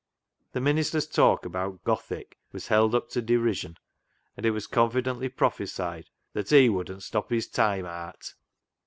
The minister's talk about " Gothic " was held up to derision, and it was confidently prophesied that " he wouldn't stop his time aat."